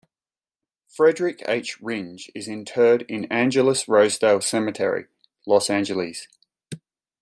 Frederick H. Rindge is interred in Angelus-Rosedale Cemetery, Los Angeles.